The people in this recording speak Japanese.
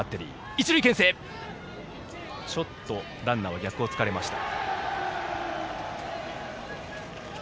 一塁ランナーは逆を突かれました。